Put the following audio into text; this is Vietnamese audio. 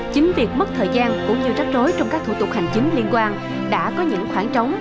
chính việc mất thời gian cũng như trắc rối trong các thủ tục hành chính liên quan đã có những khoảng trống